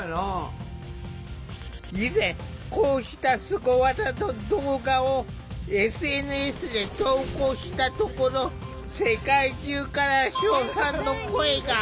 以前こうしたスゴ技の動画をＳＮＳで投稿したところ世界中から称賛の声が。